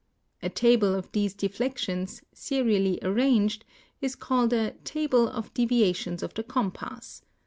A table of these deflections, serially arranged, is called a table of deviations of the compass.